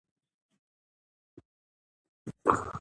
اداري شفافیت د باور لامل دی